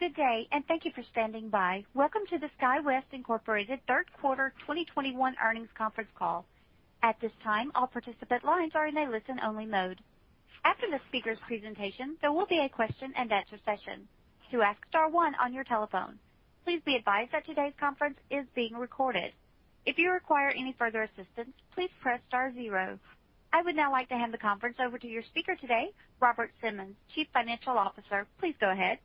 Good day, and thank you for standing by. Welcome to the SkyWest Inc third quarter 2021 earnings conference call. At this time, all participant lines are in a listen-only mode. After the speaker's presentation, there will be a question-and-answer session. To ask, star one on your telephone. Please be advised that today's conference is being recorded. If you require any further assistance, please press star zero. I would now like to hand the conference over to your speaker today, Robert Simmons, Chief Financial Officer. Please go ahead.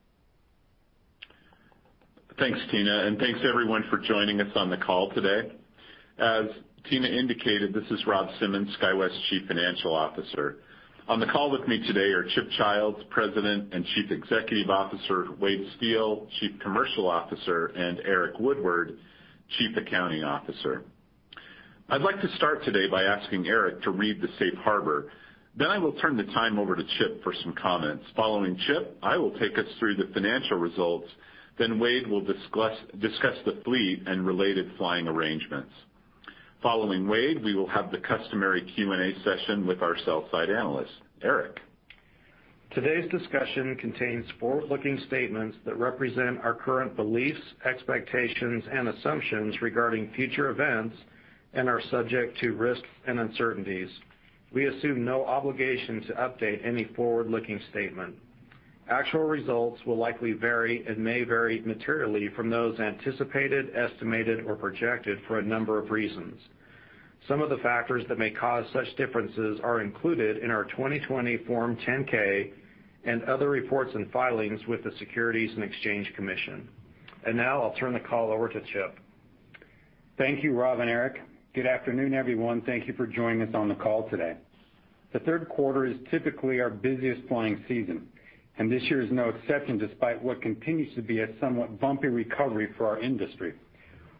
Thanks, Tina, and thanks everyone for joining us on the call today. As Tina indicated, this is Rob Simmons, SkyWest Chief Financial Officer. On the call with me today are Chip Childs, President and Chief Executive Officer, Wade Steele, Chief Commercial Officer, and Eric Woodward, Chief Accounting Officer. I'd like to start today by asking Eric to read the Safe Harbor. Then I will turn the time over to Chip for some comments. Following Chip, I will take us through the financial results, then Wade will discuss the fleet and related flying arrangements. Following Wade, we will have the customary Q&A session with our sell-side analysts. Eric? Today's discussion contains forward-looking statements that represent our current beliefs, expectations and assumptions regarding future events and are subject to risks and uncertainties. We assume no obligation to update any forward-looking statement. Actual results will likely vary and may vary materially from those anticipated, estimated or projected for a number of reasons. Some of the factors that may cause such differences are included in our 2020 Form 10-K and other reports and filings with the Securities and Exchange Commission. Now I'll turn the call over to Chip. Thank you, Rob and Eric. Good afternoon, everyone. Thank you for joining us on the call today. The third quarter is typically our busiest flying season, and this year is no exception, despite what continues to be a somewhat bumpy recovery for our industry.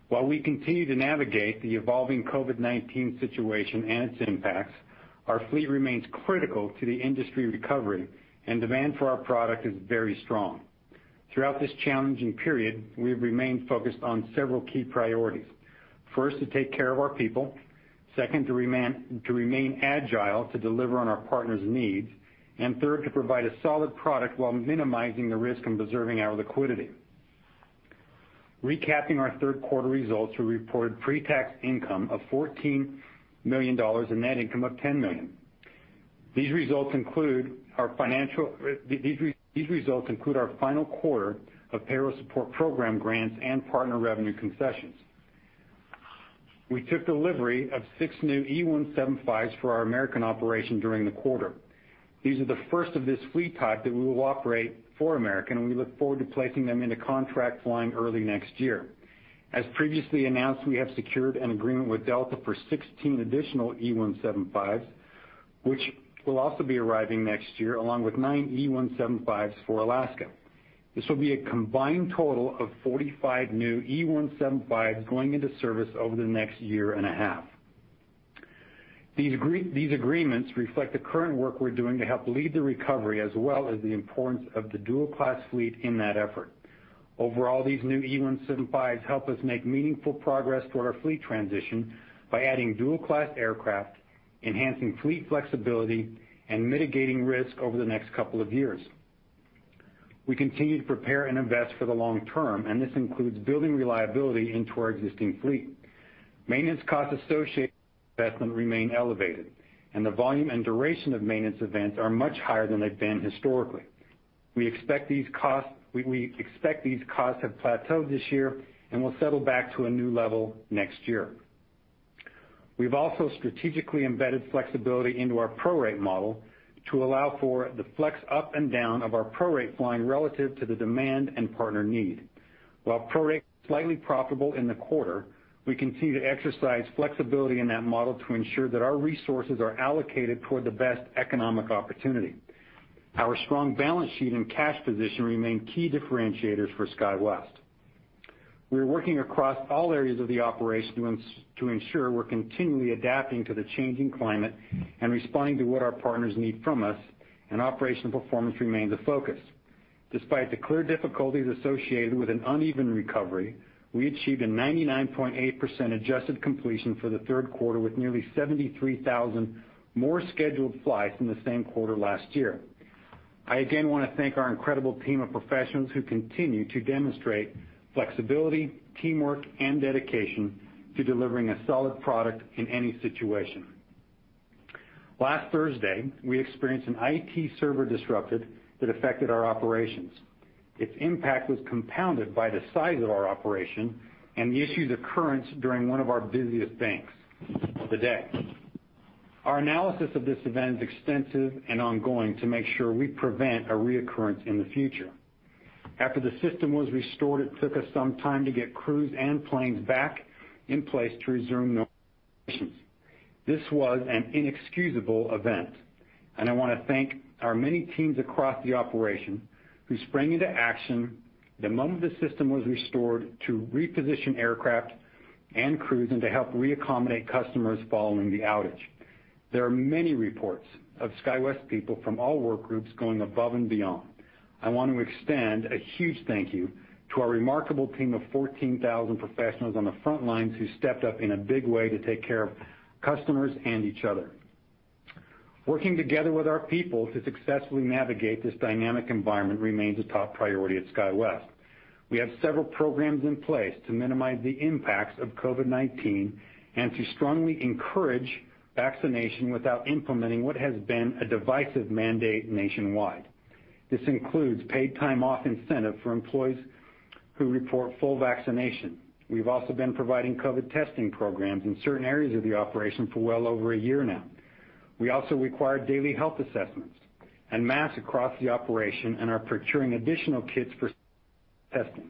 While we continue to navigate the evolving COVID-19 situation and its impacts, our fleet remains critical to the industry recovery, and demand for our product is very strong. Throughout this challenging period, we've remained focused on several key priorities. First, to take care of our people. Second, to remain agile to deliver on our partners' needs. And third, to provide a solid product while minimizing the risk and preserving our liquidity. Recapping our third quarter results, we reported pre-tax income of $14 million and net income of $10 million. These results include our financial These results include our final quarter of Payroll Support Program grants and partner revenue concessions. We took delivery of six new E175s for our American operation during the quarter. These are the first of this fleet type that we will operate for American, and we look forward to placing them into contract flying early next year. As previously announced, we have secured an agreement with Delta for 16 additional E175s, which will also be arriving next year, along with nine E175s for Alaska. This will be a combined total of 45 new E175s going into service over the next year and a half. These agreements reflect the current work we're doing to help lead the recovery, as well as the importance of the dual-class fleet in that effort. Overall, these new E175s help us make meaningful progress toward our fleet transition by adding dual-class aircraft, enhancing fleet flexibility, and mitigating risk over the next couple of years. We continue to prepare and invest for the long term, and this includes building reliability into our existing fleet. Maintenance costs associated with investment remain elevated, and the volume and duration of maintenance events are much higher than they've been historically. We expect these costs have plateaued this year and will settle back to a new level next year. We've also strategically embedded flexibility into our prorate model to allow for the flex up and down of our prorate flying relative to the demand and partner need. While prorate is slightly profitable in the quarter, we continue to exercise flexibility in that model to ensure that our resources are allocated toward the best economic opportunity. Our strong balance sheet and cash position remain key differentiators for SkyWest. We're working across all areas of the operation to ensure we're continually adapting to the changing climate and responding to what our partners need from us, and operational performance remains a focus. Despite the clear difficulties associated with an uneven recovery, we achieved a 99.8% adjusted completion for the third quarter, with nearly 73,000 more scheduled flights than the same quarter last year. I again wanna thank our incredible team of professionals who continue to demonstrate flexibility, teamwork, and dedication to delivering a solid product in any situation. Last Thursday, we experienced an IT server disruption that affected our operations. Its impact was compounded by the size of our operation and the issue's occurrence during one of our busiest banks of the day. Our analysis of this event is extensive and ongoing to make sure we prevent a reoccurrence in the future. After the system was restored, it took us some time to get crews and planes back in place to resume normal operations. This was an inexcusable event, and I wanna thank our many teams across the operation who sprang into action the moment the system was restored to reposition aircraft and crews and to help reaccommodate customers following the outage. There are many reports of SkyWest people from all work groups going above and beyond. I want to extend a huge thank you to our remarkable team of 14,000 professionals on the front lines who stepped up in a big way to take care of customers and each other. Working together with our people to successfully navigate this dynamic environment remains a top priority at SkyWest. We have several programs in place to minimize the impacts of COVID-19 and to strongly encourage vaccination without implementing what has been a divisive mandate nationwide. This includes paid time off incentive for employees who report full vaccination. We've also been providing COVID testing programs in certain areas of the operation for well over a year now. We also require daily health assessments and masks across the operation and are procuring additional kits for testing.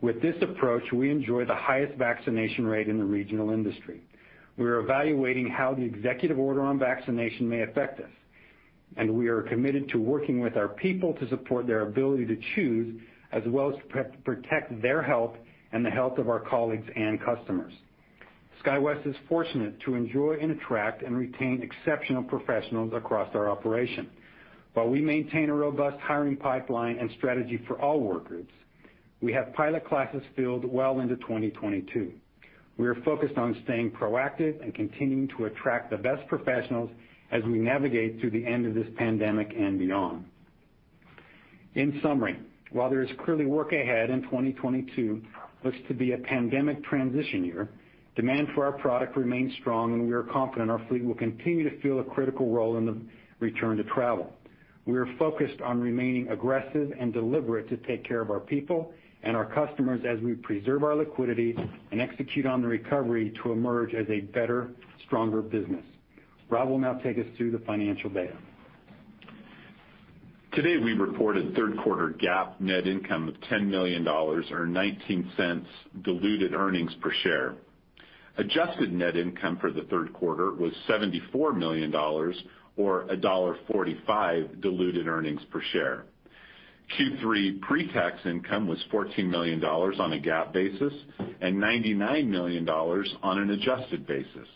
With this approach, we enjoy the highest vaccination rate in the regional industry. We're evaluating how the executive order on vaccination may affect us, and we are committed to working with our people to support their ability to choose, as well as to protect their health and the health of our colleagues and customers. SkyWest is fortunate to enjoy and attract and retain exceptional professionals across our operation. While we maintain a robust hiring pipeline and strategy for all workers, we have pilot classes filled well into 2022. We are focused on staying proactive and continuing to attract the best professionals as we navigate through the end of this pandemic and beyond. In summary, while there is clearly work ahead in 2022, it looks to be a pandemic transition year, demand for our product remains strong, and we are confident our fleet will continue to fill a critical role in the return to travel. We are focused on remaining aggressive and deliberate to take care of our people and our customers as we preserve our liquidity and execute on the recovery to emerge as a better, stronger business. Brad will now take us through the financial data. Today, we reported third quarter GAAP net income of $10 million, or $0.19 diluted earnings per share. Adjusted net income for the third quarter was $74 million or $1.45 diluted earnings per share. Q3 pre-tax income was $14 million on a GAAP basis and $99 million on an adjusted basis.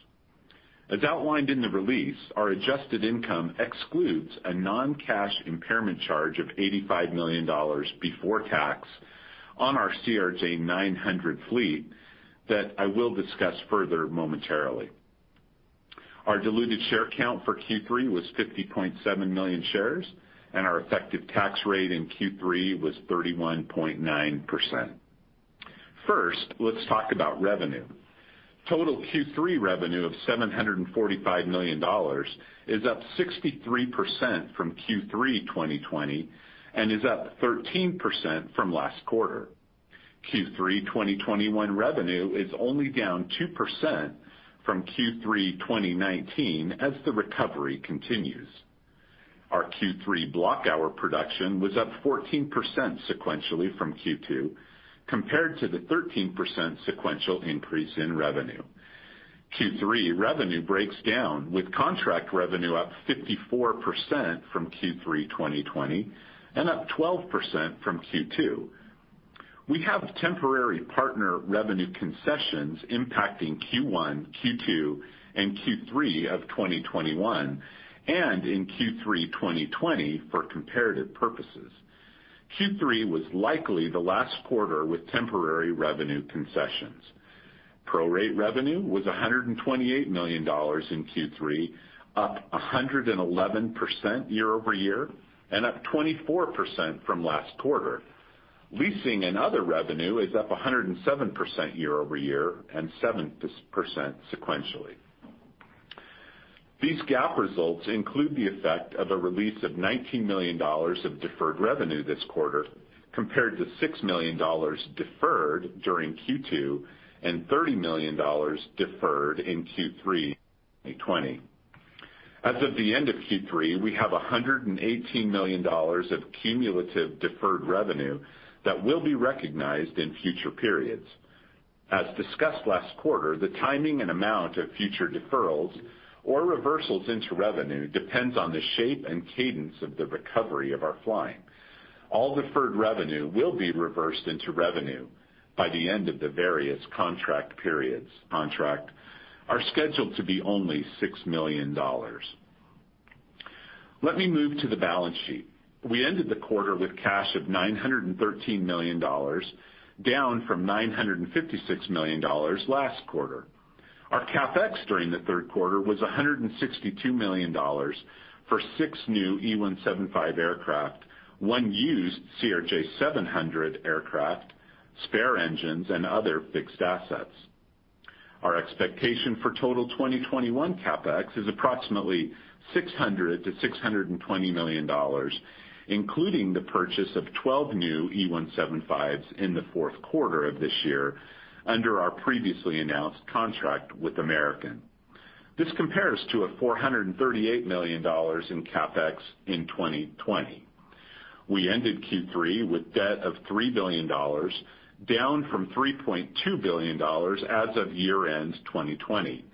As outlined in the release, our adjusted income excludes a non-cash impairment charge of $85 million before tax on our CRJ900 fleet that I will discuss further momentarily. Our diluted share count for Q3 was 50.7 million shares, and our effective tax rate in Q3 was 31.9%. First, let's talk about revenue. Total Q3 revenue of $745 million is up 63% from Q3 2020 and is up 13% from last quarter. Q3 2021 revenue is only down 2% from Q3 2019 as the recovery continues. Our Q3 block hour production was up 14% sequentially from Q2 compared to the 13% sequential increase in revenue. Q3 revenue breaks down with contract revenue up 54% from Q3 2020 and up 12% from Q2. We have temporary partner revenue concessions impacting Q1, Q2, and Q3 of 2021, and in Q3 2020 for comparative purposes. Q3 was likely the last quarter with temporary revenue concessions. Prorate revenue was $128 million in Q3, up 111% year-over-year and up 24% from last quarter. Leasing and other revenue is up 107% year-over-year and 7% sequentially. These GAAP results include the effect of a release of $19 million of deferred revenue this quarter, compared to $6 million deferred during Q2 and $30 million deferred in Q3 2020. As of the end of Q3, we have $118 million of cumulative deferred revenue that will be recognized in future periods. As discussed last quarter, the timing and amount of future deferrals or reversals into revenue depends on the shape and cadence of the recovery of our flying. All deferred revenue will be reversed into revenue by the end of the various contract periods. Contracts are scheduled to be only $6 million. Let me move to the balance sheet. We ended the quarter with cash of $913 million, down from $956 million last quarter. Our CapEx during the third quarter was $162 million for six new E175 aircraft, one used CRJ700 aircraft, spare engines, and other fixed assets. Our expectation for total 2021 CapEx is approximately $600 million-$620 million, including the purchase of 12 new E175s in the fourth quarter of this year under our previously announced contract with American. This compares to $438 million in CapEx in 2020. We ended Q3 with debt of $3 billion, down from $3.2 billion as of year-end 2020.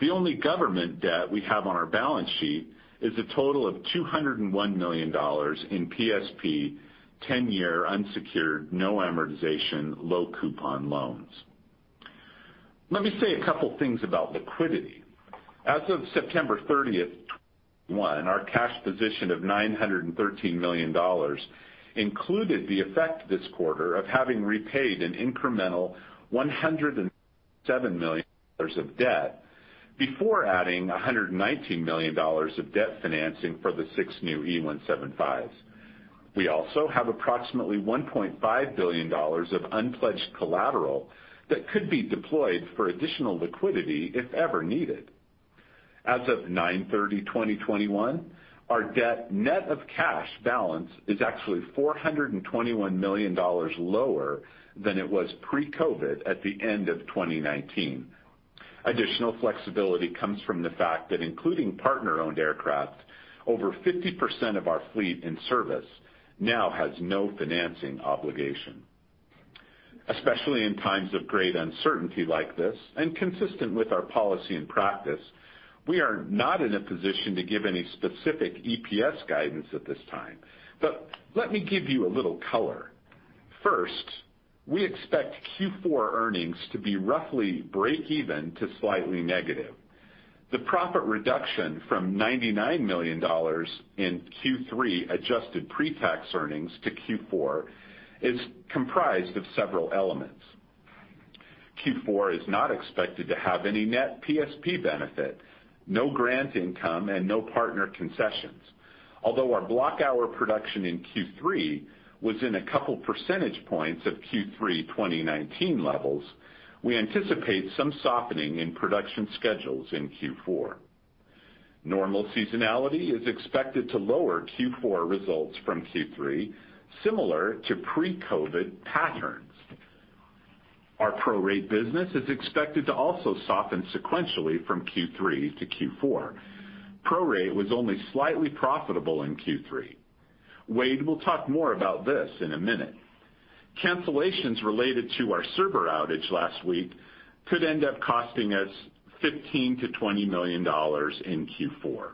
The only government debt we have on our balance sheet is a total of $201 million in PSP 10-year unsecured, no amortization, low coupon loans. Let me say a couple things about liquidity. As of September 30th, 2021, our cash position of $913 million included the effect this quarter of having repaid an incremental $107 million of debt before adding $119 million of debt financing for the six new E175s. We also have approximately $1.5 billion of unpledged collateral that could be deployed for additional liquidity if ever needed. As of 9/30/2021, our debt net of cash balance is actually $421 million lower than it was pre-COVID at the end of 2019. Additional flexibility comes from the fact that including partner-owned aircraft, over 50% of our fleet in service now has no financing obligation. Especially in times of great uncertainty like this, and consistent with our policy and practice, we are not in a position to give any specific EPS guidance at this time. Let me give you a little color. First, we expect Q4 earnings to be roughly break even to slightly negative. The profit reduction from $99 million in Q3 adjusted pre-tax earnings to Q4 is comprised of several elements. Q4 is not expected to have any net PSP benefit, no grant income, and no partner concessions. Although our block hour production in Q3 was in a couple percentage points of Q3 2019 levels, we anticipate some softening in production schedules in Q4. Normal seasonality is expected to lower Q4 results from Q3, similar to pre-COVID patterns. Our prorate business is expected to also soften sequentially from Q3 to Q4. Prorate was only slightly profitable in Q3. Wade will talk more about this in a minute. Cancellations related to our server outage last week could end up costing us $15 million-$20 million in Q4.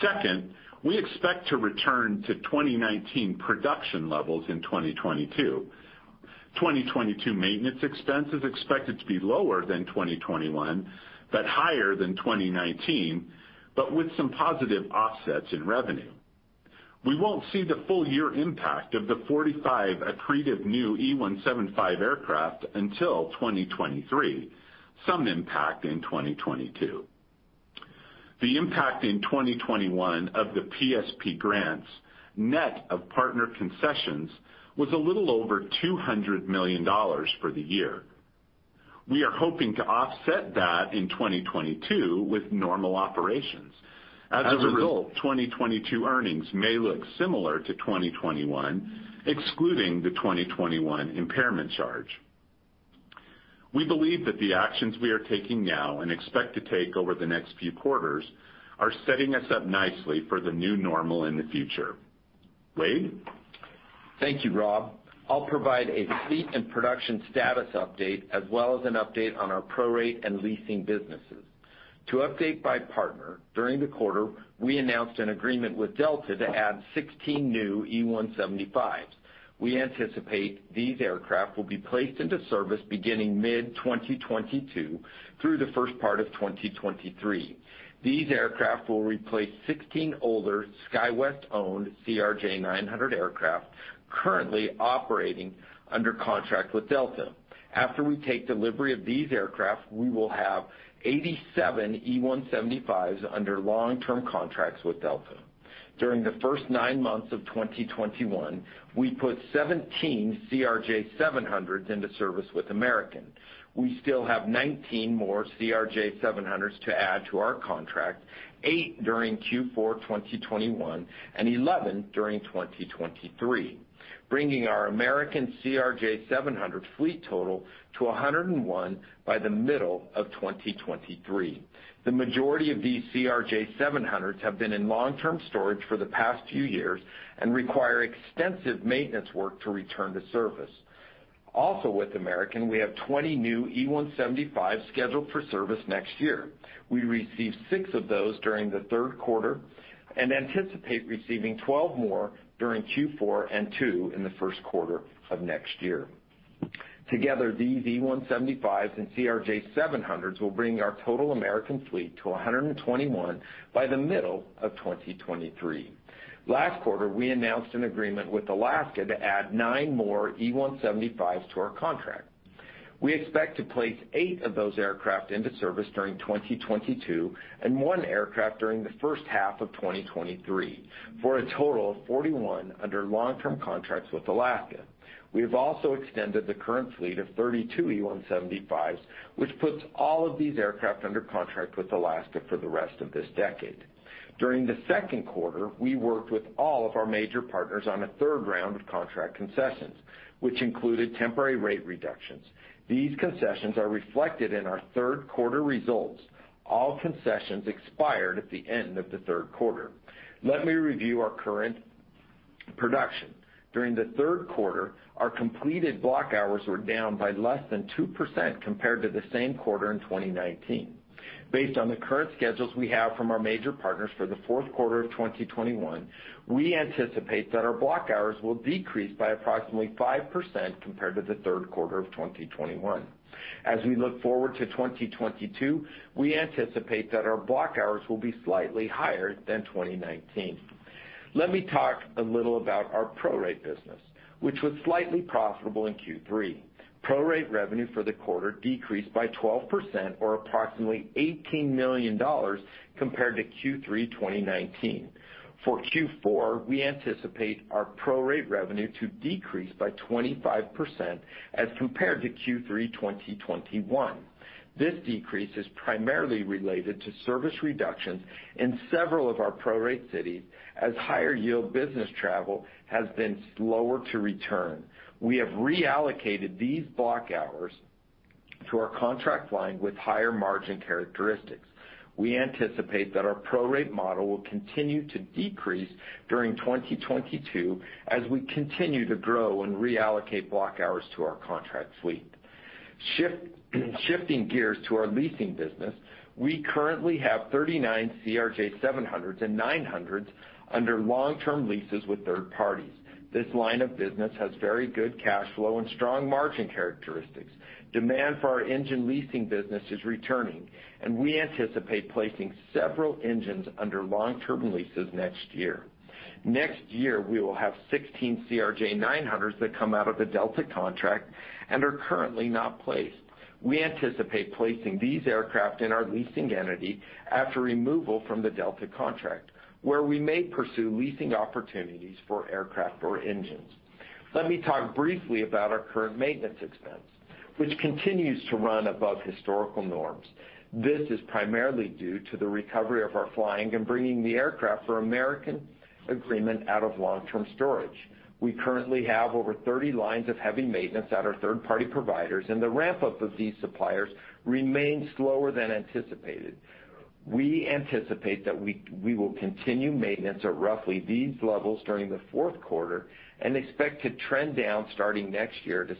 Second, we expect to return to 2019 production levels in 2022. 2022 maintenance expense is expected to be lower than 2021, but higher than 2019, but with some positive offsets in revenue. We won't see the full year impact of the 45 accretive new E175 aircraft until 2023, some impact in 2022. The impact in 2021 of the PSP grants, net of partner concessions, was a little over $200 million for the year. We are hoping to offset that in 2022 with normal operations. As a result, 2022 earnings may look similar to 2021, excluding the 2021 impairment charge. We believe that the actions we are taking now and expect to take over the next few quarters are setting us up nicely for the new normal in the future. Wade? Thank you, Rob. I'll provide a fleet and production status update as well as an update on our prorate and leasing businesses. To update our partners, during the quarter, we announced an agreement with Delta to add 16 new E175s. We anticipate these aircraft will be placed into service beginning mid-2022 through the first part of 2023. These aircraft will replace 16 older SkyWest-owned CRJ900 aircraft currently operating under contract with Delta. After we take delivery of these aircraft, we will have 87 E175s under long-term contracts with Delta. During the first nine months of 2021, we put 17 CRJ700s into service with American. We still have 19 more CRJ700s to add to our contract, eight during Q4 2021 and 11 during 2023, bringing our American CRJ700 fleet total to 101 by the middle of 2023. The majority of these CRJ700s have been in long-term storage for the past few years and require extensive maintenance work to return to service. Also with American, we have 20 new E175s scheduled for service next year. We received six of those during the third quarter and anticipate receiving 12 more during Q4 and two in the first quarter of next year. Together, these E175s and CRJ700s will bring our total American fleet to 121 by the middle of 2023. Last quarter, we announced an agreement with Alaska to add nine more E175s to our contract. We expect to place eight of those aircraft into service during 2022 and one aircraft during the first half of 2023 for a total of 41 under long-term contracts with Alaska. We have also extended the current fleet of 32 E175s, which puts all of these aircraft under contract with Alaska for the rest of this decade. During the second quarter, we worked with all of our major partners on a third round of contract concessions, which included temporary rate reductions. These concessions are reflected in our third quarter results. All concessions expired at the end of the third quarter. Let me review our current production. During the third quarter, our completed block hours were down by less than 2% compared to the same quarter in 2019. Based on the current schedules we have from our major partners for the fourth quarter of 2021, we anticipate that our block hours will decrease by approximately 5% compared to the third quarter of 2021. As we look forward to 2022, we anticipate that our block hours will be slightly higher than 2019. Let me talk a little about our prorate business, which was slightly profitable in Q3. Prorate revenue for the quarter decreased by 12% or approximately $18 million compared to Q3 2019. For Q4, we anticipate our prorate revenue to decrease by 25% as compared to Q3 2021. This decrease is primarily related to service reductions in several of our prorate cities as higher yield business travel has been slower to return. We have reallocated these block hours to our contract flying with higher margin characteristics. We anticipate that our prorate model will continue to decrease during 2022 as we continue to grow and reallocate block hours to our contract fleet. Shifting gears to our leasing business, we currently have 39 CRJ700s and CRJ900s under long-term leases with third parties. This line of business has very good cash flow and strong margin characteristics. Demand for our engine leasing business is returning, and we anticipate placing several engines under long-term leases next year. Next year, we will have 16 CRJ900s that come out of the Delta contract and are currently not placed. We anticipate placing these aircraft in our leasing entity after removal from the Delta contract, where we may pursue leasing opportunities for aircraft or engines. Let me talk briefly about our current maintenance expense, which continues to run above historical norms. This is primarily due to the recovery of our flying and bringing the aircraft for American agreement out of long-term storage. We currently have over 30 lines of heavy maintenance at our third-party providers, and the ramp-up of these suppliers remains slower than anticipated. We anticipate that we will continue maintenance at roughly these levels during the fourth quarter and expect to trend down starting next year to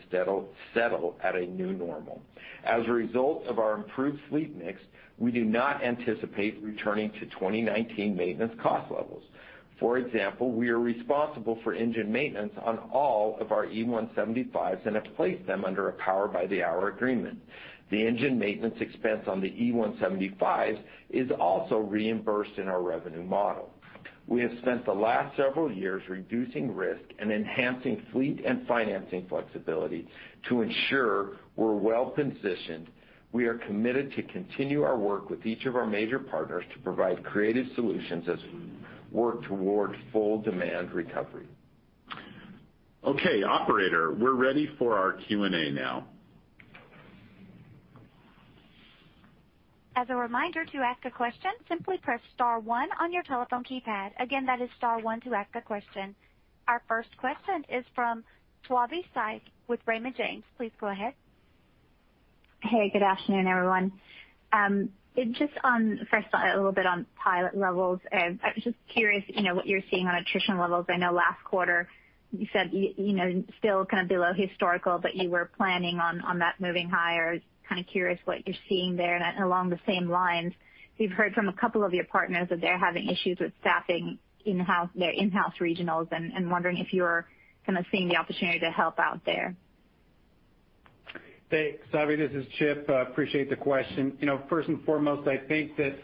settle at a new normal. As a result of our improved fleet mix, we do not anticipate returning to 2019 maintenance cost levels. For example, we are responsible for engine maintenance on all of our E175s and have placed them under a power by the hour agreement. The engine maintenance expense on the E175s is also reimbursed in our revenue model. We have spent the last several years reducing risk and enhancing fleet and financing flexibility to ensure we're well positioned. We are committed to continue our work with each of our major partners to provide creative solutions as we work toward full demand recovery. Okay, operator, we're ready for our Q&A now. As a reminder, to ask a question, simply press star one on your telephone keypad. Again, that is star one to ask a question. Our first question is from Savi Syth with Raymond James. Please go ahead. Hey, good afternoon, everyone. First, a little bit on pilot levels. I was just curious, you know, what you're seeing on attrition levels. I know last quarter you said, you know, still kind of below historical, but you were planning on that moving higher. Kind of curious what you're seeing there. Along the same lines, we've heard from a couple of your partners that they're having issues with staffing in-house, their in-house regionals and wondering if you're kinda seeing the opportunity to help out there. Thanks, Savi. This is Chip. I appreciate the question. You know, first and foremost, I think that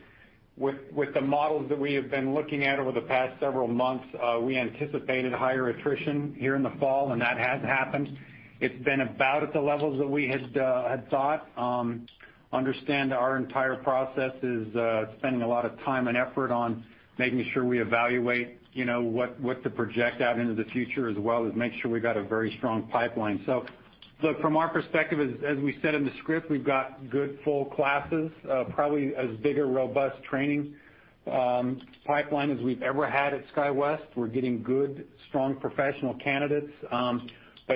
with the models that we have been looking at over the past several months, we anticipated higher attrition here in the fall, and that has happened. It's been about at the levels that we had thought. Understand our entire process is spending a lot of time and effort on making sure we evaluate, you know, what to project out into the future, as well as make sure we've got a very strong pipeline. Look, from our perspective, as we said in the script, we've got good full classes, probably as big a robust training pipeline as we've ever had at SkyWest. We're getting good, strong professional candidates.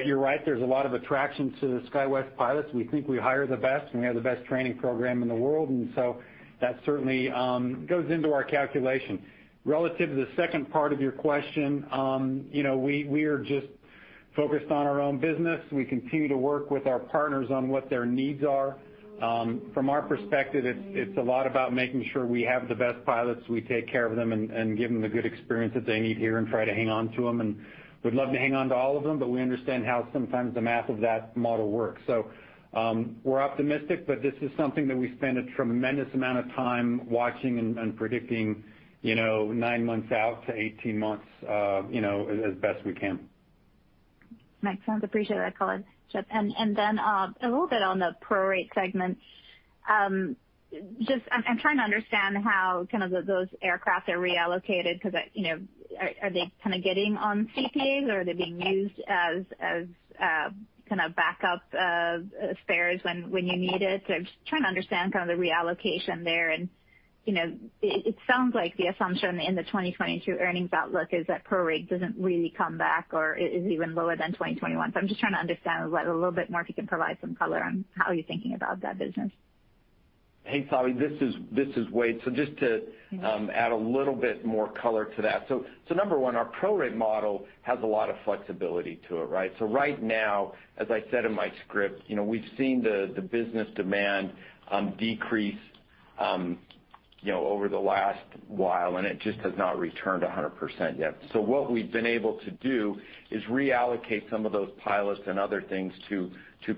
You're right, there's a lot of attraction to the SkyWest pilots. We think we hire the best, and we have the best training program in the world, and so that certainly goes into our calculation. Relative to the second part of your question, you know, we are just focused on our own business. We continue to work with our partners on what their needs are. From our perspective, it's a lot about making sure we have the best pilots, we take care of them and give them the good experience that they need here and try to hang on to them. We'd love to hang on to all of them, but we understand how sometimes the math of that model works. We're optimistic, but this is something that we spend a tremendous amount of time watching and predicting, you know, nine months out to 18 months, you know, as best we can. Makes sense. Appreciate that color, Chip. A little bit on the prorate segment. Just, I'm trying to understand how kind of those aircraft are reallocated because that, you know, are they kinda getting on CPAs or are they being used as kinda backup spares when you need it? I'm just trying to understand kind of the reallocation there. You know, it sounds like the assumption in the 2022 earnings outlook is that prorate doesn't really come back or is even lower than 2021. I'm just trying to understand a little bit more, if you can provide some color on how you're thinking about that business. Hey, Savi, this is Wade. Just to add a little bit more color to that. Number one, our prorate model has a lot of flexibility to it, right? Right now, as I said in my script, you know, we've seen the business demand decrease, you know, over the last while, and it just has not returned 100% yet. What we've been able to do is reallocate some of those pilots and other things to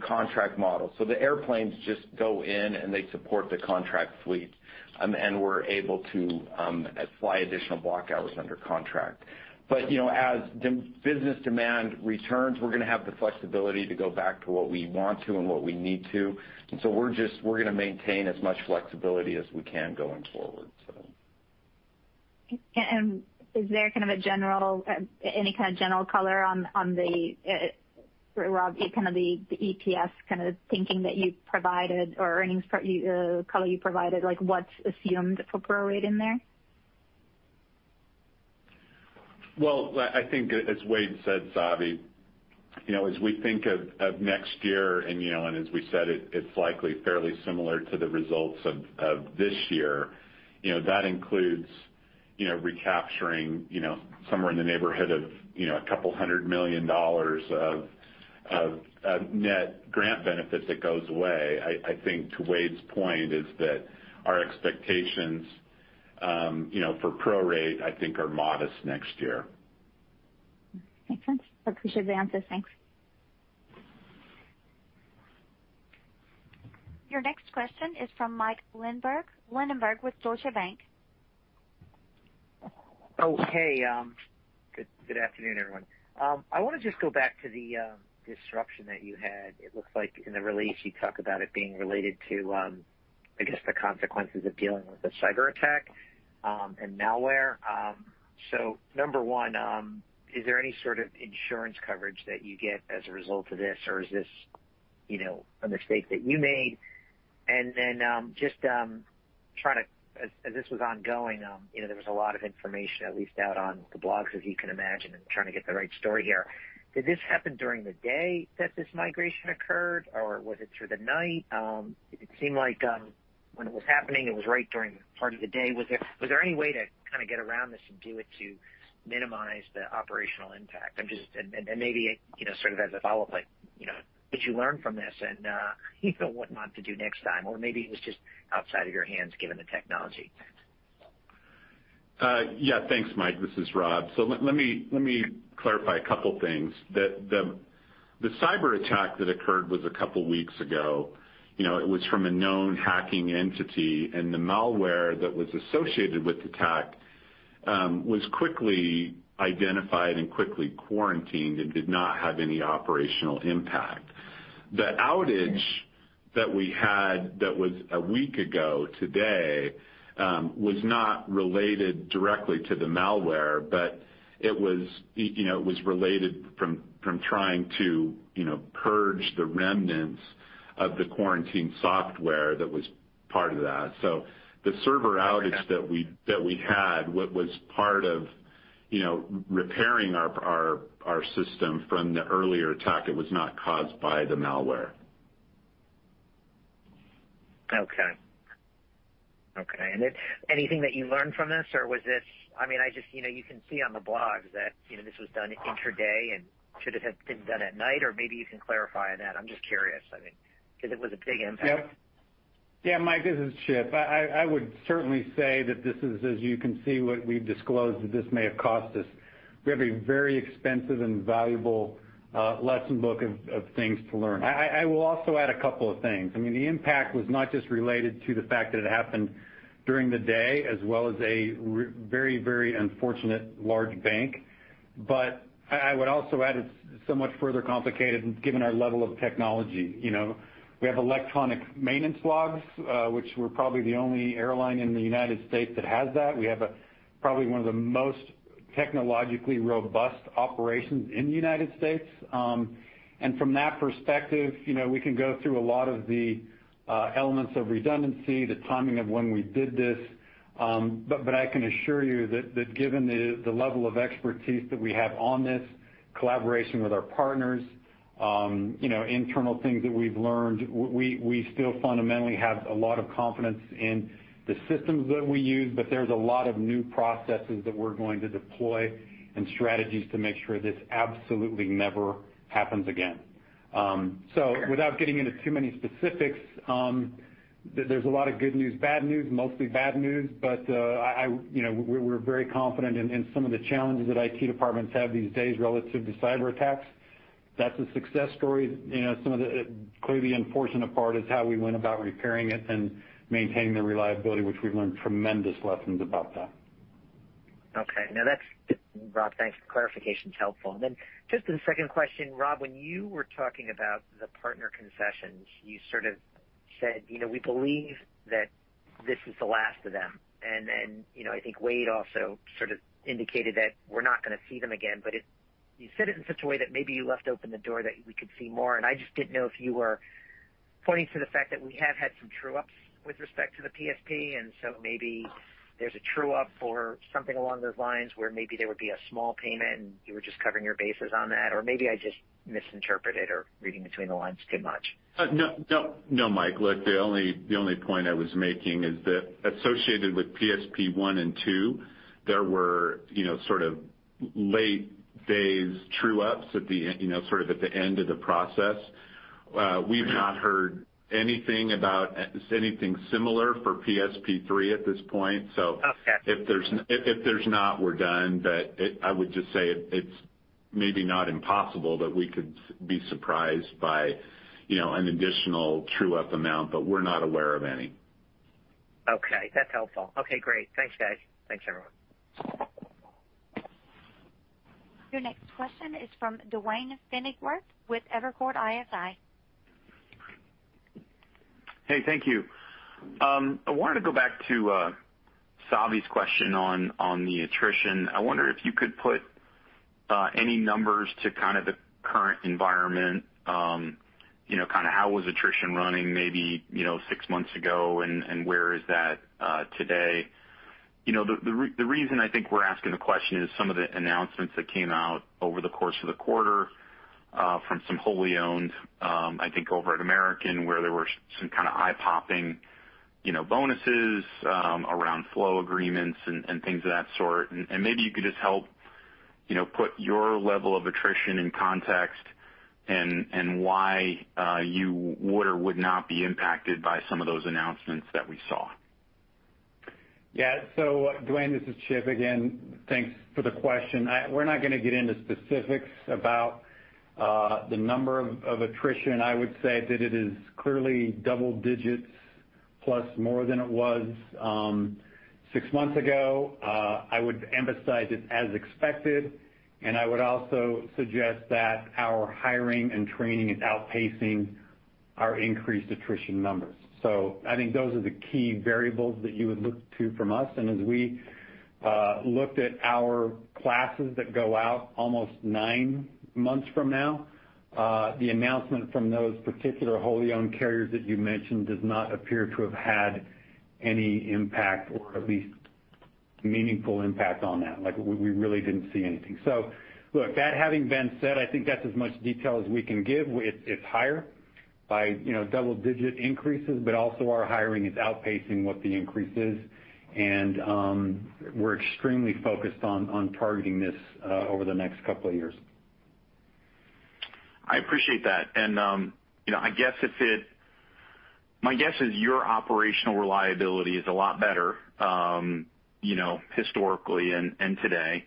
contract models. The airplanes just go in, and they support the contract fleet, and we're able to fly additional block hours under contract. But, you know, as business demand returns, we're gonna have the flexibility to go back to what we want to and what we need to. We're gonna maintain as much flexibility as we can going forward, so. Is there kind of any kind of general color on Rob, kind of the EPS kind of thinking that you provided or earnings per color you provided, like, what's assumed for prorate in there? Well, I think as Wade said, Savi, you know, as we think of next year and, you know, and as we said it's likely fairly similar to the results of this year. You know, that includes, you know, recapturing, you know, somewhere in the neighborhood of $200 million of net grant benefits that goes away. I think to Wade's point is that our expectations, you know, for prorate, I think are modest next year. Makes sense. I appreciate the answers. Thanks. Your next question is from Mike Linenberg with Deutsche Bank. Oh, hey. Good afternoon, everyone. I wanna just go back to the disruption that you had. It looks like in the release you talk about it being related to, I guess, the consequences of dealing with a cyberattack and malware. So number one, is there any sort of insurance coverage that you get as a result of this? Or is this, you know, a mistake that you made? Then, just as this was ongoing, you know, there was a lot of information, at least out on the blogs, as you can imagine, and trying to get the right story here. Did this happen during the day that this migration occurred, or was it through the night? It seemed like when it was happening, it was right during part of the day. Was there any way to kinda get around this and do it to minimize the operational impact? I'm just maybe, you know, sort of as a follow-up, like, you know, did you learn from this and, you know, what not to do next time, or maybe it was just outside of your hands given the technology? Yeah. Thanks, Mike. This is Rob. Let me clarify a couple things. The cyberattack that occurred was a couple weeks ago. You know, it was from a known hacking entity, and the malware that was associated with the attack was quickly identified and quickly quarantined and did not have any operational impact. The outage that we had that was a week ago today was not related directly to the malware, but it was, you know, it was resulting from trying to purge the remnants of the quarantine software that was part of that. The server outage that we had was part of repairing our system from the earlier attack. It was not caused by the malware. Okay. Anything that you learned from this, or was this, I mean, I just, you know, you can see on the blogs that, you know, this was done intraday and should have had been done at night, or maybe you can clarify on that. I'm just curious, I mean, 'cause it was a big impact. Yeah. Yeah. Mike, this is Chip. I would certainly say that this is as you can see, what we've disclosed, that this may have cost us. We have a very expensive and valuable lesson book of things to learn. I will also add a couple of things. I mean, the impact was not just related to the fact that it happened during the day as well as a very unfortunate large bank. I would also add it's so much further complicated given our level of technology. You know, we have electronic maintenance logs, which we're probably the only airline in the United States that has that. We have probably one of the most technologically robust operations in the United States. From that perspective, you know, we can go through a lot of the elements of redundancy, the timing of when we did this. I can assure you that given the level of expertise that we have on this, collaboration with our partners, you know, internal things that we've learned, we still fundamentally have a lot of confidence in the systems that we use, but there's a lot of new processes that we're going to deploy and strategies to make sure this absolutely never happens again. Without getting into too many specifics, there's a lot of good news, bad news, mostly bad news, but I, you know, we're very confident in some of the challenges that IT departments have these days relative to cyberattacks. That's a success story. You know, some of the clearly unfortunate part is how we went about repairing it and maintaining the reliability, which we've learned tremendous lessons about that. Okay. No, that's good, Rob. Thanks. Clarification's helpful. Just the second question, Rob, when you were talking about the partner concessions, you sort of said, you know, we believe that this is the last of them. You know, I think Wade also sort of indicated that we're not gonna see them again, but it, you said it in such a way that maybe you left open the door that we could see more, and I just didn't know if you were pointing to the fact that we have had some true ups with respect to the PSP, and so maybe there's a true up or something along those lines, where maybe there would be a small payment, and you were just covering your bases on that. Or maybe I just misinterpreted or reading between the lines too much. No, Mike. Look, the only point I was making is that associated with PSP1 and PSP2, there were, you know, sort of late days true ups at the end, you know, sort of at the end of the process. We've not heard anything about anything similar for PSP3 at this point. Okay. If there's not, we're done. I would just say it's maybe not impossible that we could be surprised by, you know, an additional true up amount, but we're not aware of any. Okay, that's helpful. Okay, great. Thanks, guys. Thanks, everyone. Your next question is from Duane Pfennigwerth with Evercore ISI. Hey, thank you. I wanted to go back to Savi's question on the attrition. I wonder if you could put any numbers to kind of the current environment, you know, kind of how was attrition running maybe, you know, six months ago, and where is that today? You know, the reason I think we're asking the question is some of the announcements that came out over the course of the quarter from some wholly owned, I think over at American, where there were some kind of eye-popping, you know, bonuses around flow agreements and things of that sort. Maybe you could just help, you know, put your level of attrition in context and why you would or would not be impacted by some of those announcements that we saw. Yeah. Duane, this is Chip again. Thanks for the question. We're not gonna get into specifics about the number of attrition. I would say that it is clearly double digits plus more than it was six months ago. I would emphasize it as expected, and I would also suggest that our hiring and training is outpacing our increased attrition numbers. I think those are the key variables that you would look to from us. As we looked at our classes that go out almost nine months from now, the announcement from those particular wholly owned carriers that you mentioned does not appear to have had any impact or at least meaningful impact on that. Like, we really didn't see anything. Look, that having been said, I think that's as much detail as we can give. It's higher by, you know, double-digit increases, but also our hiring is outpacing what the increase is, and we're extremely focused on targeting this over the next couple of years. I appreciate that. My guess is your operational reliability is a lot better, you know, historically and today.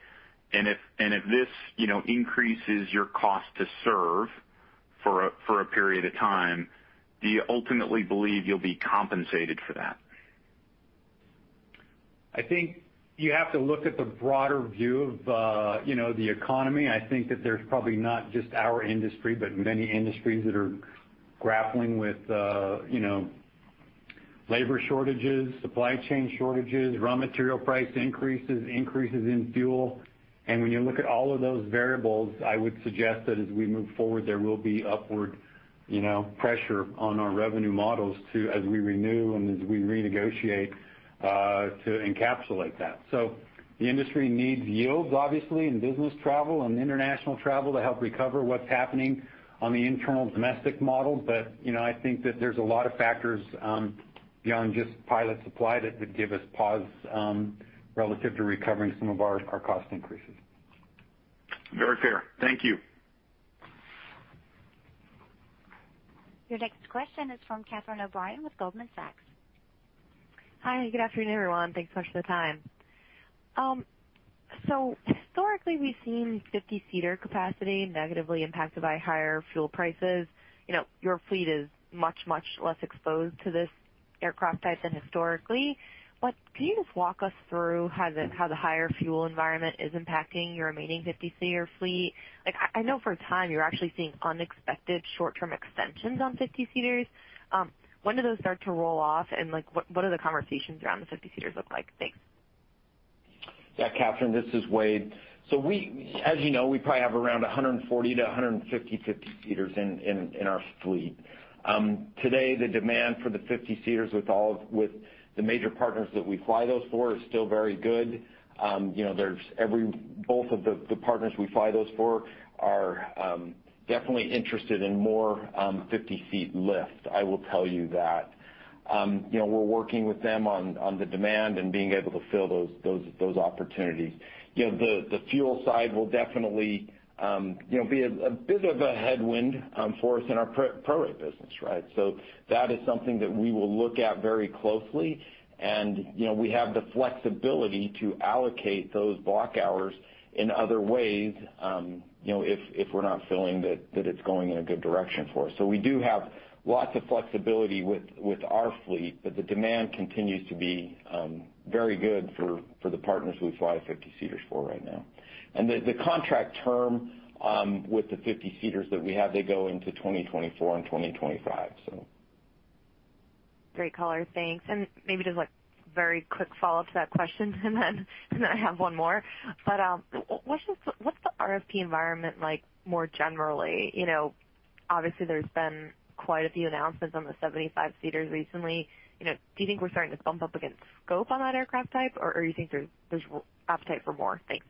If this increases your cost to serve for a period of time, do you ultimately believe you'll be compensated for that? I think you have to look at the broader view of, you know, the economy. I think that there's probably not just our industry, but many industries that are grappling with, you know, labor shortages, supply chain shortages, raw material price increases in fuel. When you look at all of those variables, I would suggest that as we move forward, there will be upward, you know, pressure on our revenue models to, as we renew and as we renegotiate, to encapsulate that. The industry needs yields obviously in business travel and international travel to help recover what's happening on the internal domestic model. You know, I think that there's a lot of factors beyond just pilot supply that would give us pause relative to recovering some of our cost increases. Very fair. Thank you. Your next question is from Catherine O'Brien with Goldman Sachs. Hi, good afternoon, everyone. Thanks so much for the time. Historically we've seen 50-seater capacity negatively impacted by higher fuel prices. You know, your fleet is much, much less exposed to this aircraft type than historically. Can you just walk us through how the higher fuel environment is impacting your remaining 50-seater fleet? Like I know for a time you're actually seeing unexpected short-term extensions on 50-seaters. When do those start to roll off, and like what are the conversations around the 50-seaters look like? Thanks. Yeah, Catherine, this is Wade. As you know, we probably have around 140-150 50-seaters in our fleet. Today, the demand for the 50-seaters with the major partners that we fly those for is still very good. You know, both of the partners we fly those for are definitely interested in more 50-seat lift, I will tell you that. You know, we're working with them on the demand and being able to fill those opportunities. You know, the fuel side will definitely be a bit of a headwind for us in our prorate business, right? That is something that we will look at very closely, and, you know, we have the flexibility to allocate those block hours in other ways, you know, if we're not feeling that it's going in a good direction for us. We do have lots of flexibility with our fleet, but the demand continues to be very good for the partners we fly 50-seaters for right now. The contract term with the 50-seaters that we have, they go into 2024 and 2025. Great color. Thanks. Maybe just like very quick follow-up to that question, and then I have one more. What's the RFP environment like more generally? You know, obviously there's been quite a few announcements on the 75-seaters recently. You know, do you think we're starting to bump up against scope on that aircraft type, or you think there's appetite for more? Thanks.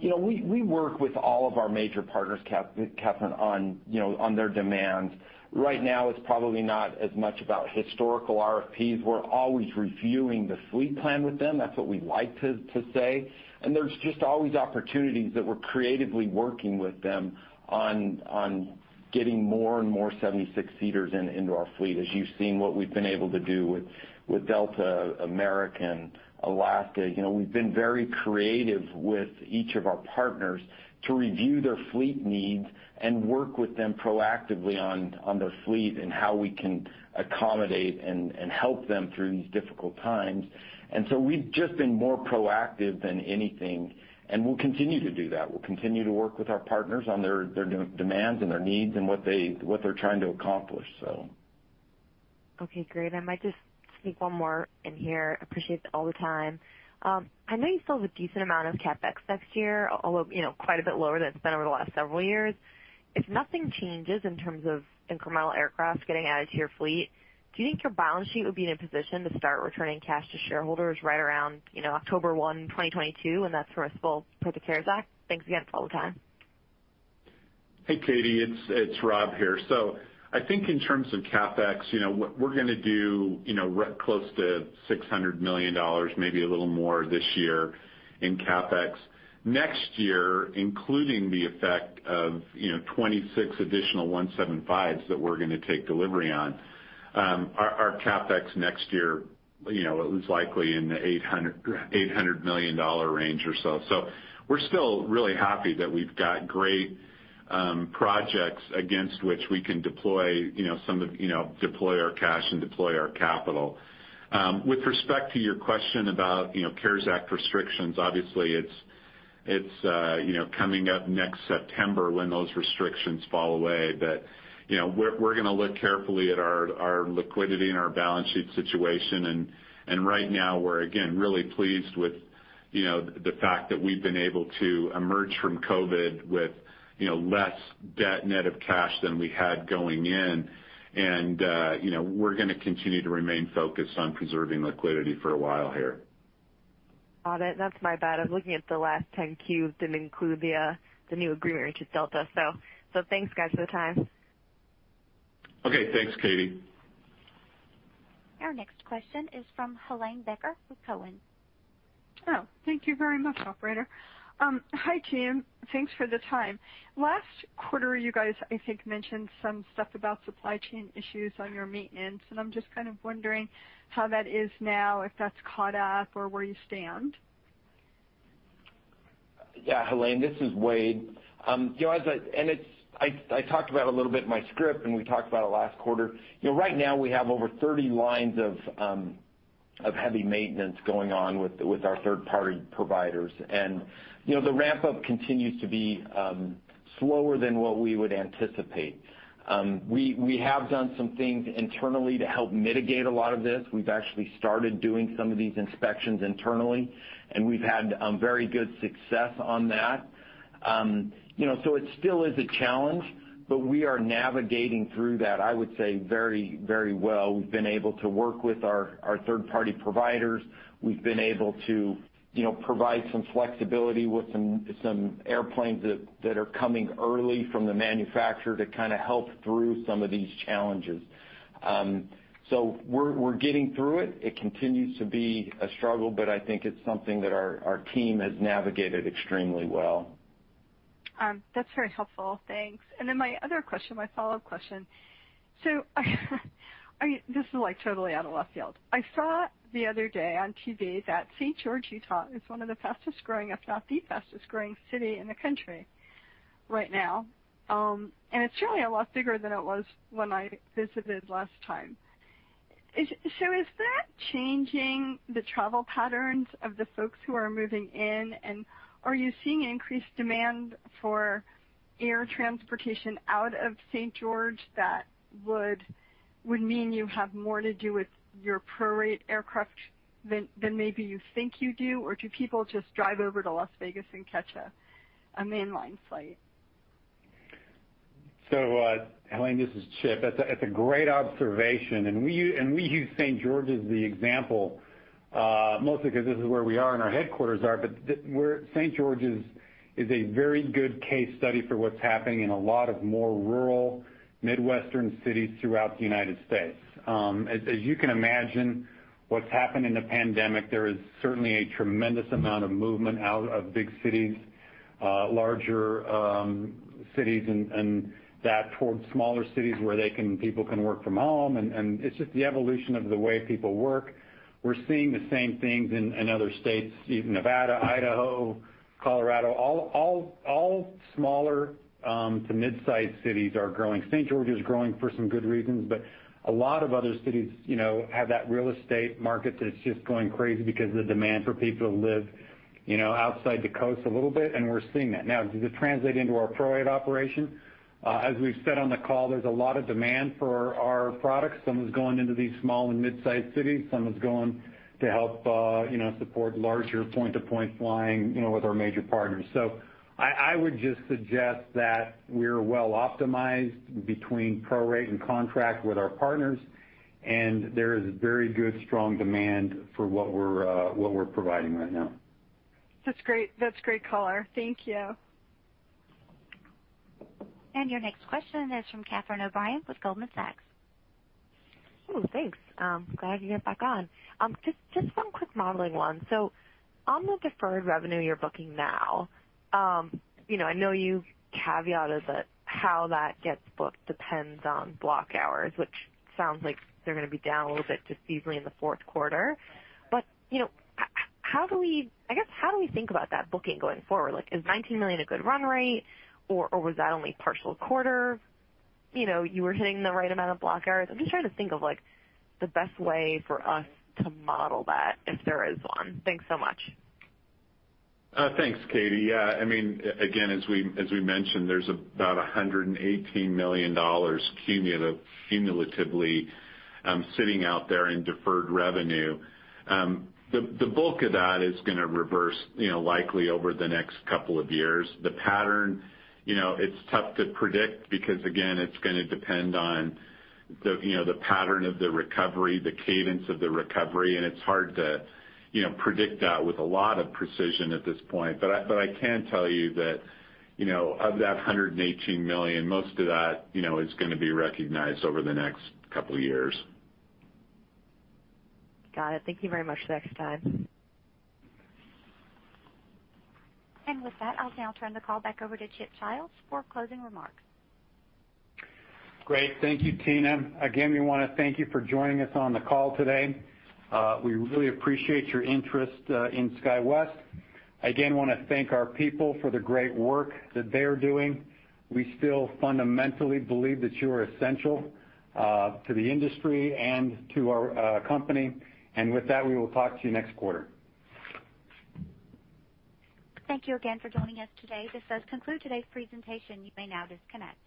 You know, we work with all of our major partners, Catherine, on their demands. Right now it's probably not as much about historical RFPs. We're always reviewing the fleet plan with them, that's what we like to say. There's just always opportunities that we're creatively working with them on getting more and more 76-seaters into our fleet, as you've seen what we've been able to do with Delta, American, Alaska. You know, we've been very creative with each of our partners to review their fleet needs and work with them proactively on their fleet and how we can accommodate and help them through these difficult times. We've just been more proactive than anything, and we'll continue to do that. We'll continue to work with our partners on their demands and their needs and what they're trying to accomplish, so. Okay, great. I might just sneak one more in here. Appreciate all the time. I know you still have a decent amount of CapEx next year, although, you know, quite a bit lower than it's been over the last several years. If nothing changes in terms of incremental aircraft getting added to your fleet, do you think your balance sheet would be in a position to start returning cash to shareholders right around, you know, October 1, 2022, when that's permissible per the CARES Act? Thanks again for all the time. Hey, Catie, it's Rob here. I think in terms of CapEx, you know, we're gonna do, you know, close to $600 million, maybe a little more this year in CapEx. Next year, including the effect of, you know, 26 additional E175s that we're gonna take delivery on, our CapEx next year, you know, it was likely in the $800 million range or so. We're still really happy that we've got great projects against which we can deploy, you know, some of, you know, deploy our cash and deploy our capital. With respect to your question about, you know, CARES Act restrictions, obviously it's, you know, coming up next September when those restrictions fall away. We're gonna look carefully at our liquidity and our balance sheet situation. Right now we're again really pleased with you know the fact that we've been able to emerge from COVID with you know less debt net of cash than we had going in. You know we're gonna continue to remain focused on preserving liquidity for a while here. Got it. That's my bad. I'm looking at the last 10-Qs. Didn't include the new agreement to Delta. Thanks guys for the time. Okay, thanks, Catie. Our next question is from Helane Becker with Cowen. Oh, thank you very much, operator. Hi, team. Thanks for the time. Last quarter, you guys, I think, mentioned some stuff about supply chain issues on your maintenance, and I'm just kind of wondering how that is now, if that's caught up or where you stand. Yeah, Helane, this is Wade. You know, as I talked about a little bit in my script, and we talked about it last quarter. You know, right now we have over 30 lines of heavy maintenance going on with our third-party providers. You know, the ramp up continues to be slower than what we would anticipate. We have done some things internally to help mitigate a lot of this. We've actually started doing some of these inspections internally, and we've had very good success on that. You know, it still is a challenge, but we are navigating through that, I would say very, very well. We've been able to work with our third-party providers. We've been able to, you know, provide some flexibility with some airplanes that are coming early from the manufacturer to kinda help through some of these challenges. We're getting through it. It continues to be a struggle, but I think it's something that our team has navigated extremely well. That's very helpful. Thanks. My other question, my follow-up question: I mean, this is, like, totally out of left field. I saw the other day on TV that St. George, Utah, is one of the fastest growing, if not the fastest growing city in the country right now. It's surely a lot bigger than it was when I visited last time. Is that changing the travel patterns of the folks who are moving in, and are you seeing increased demand for air transportation out of St. George that would mean you have more to do with your prorate aircraft than maybe you think you do? Or do people just drive over to Las Vegas and catch a mainline flight? Helane, this is Chip. That's a great observation. We use St. George as the example, mostly 'cause this is where we are and our headquarters are. St. George is a very good case study for what's happening in a lot of more rural Midwestern cities throughout the United States. As you can imagine, what's happened in the pandemic, there is certainly a tremendous amount of movement out of big cities, larger cities and that towards smaller cities where people can work from home, and it's just the evolution of the way people work. We're seeing the same things in other states, even Nevada, Idaho, Colorado, all smaller to mid-size cities are growing. St. George is growing for some good reasons, but a lot of other cities, you know, have that real estate market that's just going crazy because the demand for people to live, you know, outside the coast a little bit, and we're seeing that. Now, does it translate into our prorate operation? As we've said on the call, there's a lot of demand for our products. Some is going into these small and mid-size cities. Some is going to help, you know, support larger point-to-point flying, you know, with our major partners. I would just suggest that we're well optimized between prorate and contract with our partners, and there is very good, strong demand for what we're providing right now. That's great. That's great color. Thank you. Your next question is from Catherine O'Brien with Goldman Sachs. Ooh, thanks. Glad to get back on. Just one quick modeling one. On the deferred revenue you're booking now, you know, I know you've caveated that how that gets booked depends on block hours, which sounds like they're gonna be down a little bit just seasonally in the fourth quarter. You know, how do we think about that booking going forward? Like, is $19 million a good run rate, or was that only partial quarter? You know, you were hitting the right amount of block hours. I'm just trying to think of, like, the best way for us to model that, if there is one. Thanks so much. Thanks, Catie. Yeah, I mean, again, as we mentioned, there's about $118 million cumulatively sitting out there in deferred revenue. The bulk of that is gonna reverse, you know, likely over the next couple of years. The pattern, you know, it's tough to predict because again, it's gonna depend on the, you know, the pattern of the recovery, the cadence of the recovery, and it's hard to, you know, predict that with a lot of precision at this point. But I can tell you that, you know, of that $118 million, most of that, you know, is gonna be recognized over the next couple years. Got it. Thank you very much for your time. With that, I'll now turn the call back over to Chip Childs for closing remarks. Great. Thank you, Tina. Again, we wanna thank you for joining us on the call today. We really appreciate your interest in SkyWest. Again, wanna thank our people for the great work that they're doing. We still fundamentally believe that you are essential to the industry and to our company. With that, we will talk to you next quarter. Thank you again for joining us today. This does conclude today's presentation. You may now disconnect.